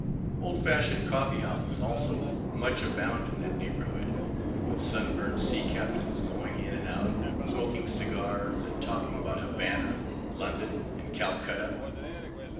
Old fashioned coffeehouses, also, much abound in that neighborhood, with sunburnt sea captains going in and out, smoking cigars, and talking about Havanna, London, and Calcutta.